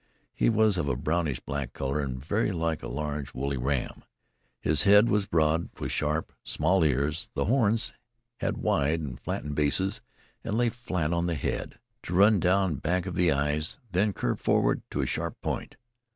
He was of a brownish black color and very like a large, woolly ram. His head was broad, with sharp, small ears; the horns had wide and flattened bases and lay flat on the head, to run down back of the eyes, then curve forward to a sharp point.